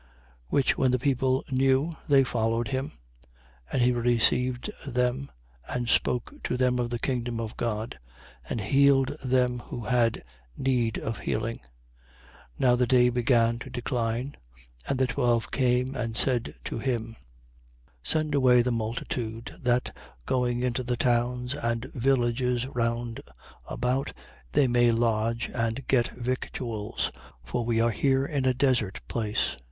9:11. Which when the people knew, they followed him: and he received them and spoke to them of the kingdom of God and healed them who had need of healing. 9:12. Now the day began to decline. And the twelve came and said to him: Send away the multitude, that, going into the towns and villages round about, they may lodge and get victuals; for we are here in a desert place.